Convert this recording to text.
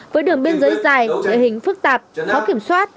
với đường biên giới dài địa hình phức tạp khó kiểm soát